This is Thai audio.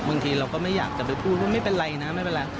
บางทีเราก็ไม่อยากจะไปพูดว่าไม่เป็นไรนะไม่เป็นไร